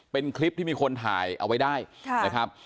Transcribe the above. เป็นคลิปที่มีคนถ่ายเอาไว้ได้นะครับ